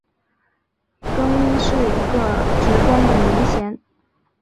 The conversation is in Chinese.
更衣是一个职官的名衔。